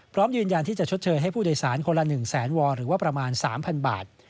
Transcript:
พร้อมยืนยันที่จะชดเชยให้ผู้โดยสารคนละ๑แสนวอลหรือว่าประมาณ๓๐๐บาท